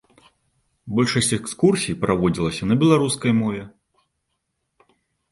Большасць экскурсій праводзілася на беларускай мове.